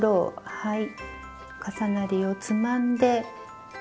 はい。